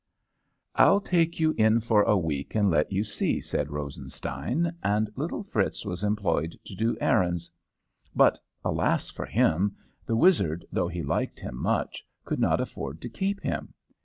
"'I'll take you in for a week and let you see,' said Rosenstein, and little Fritz was employed to do errands. But alas for him! The wizard, though he liked him much, could not afford to keep him.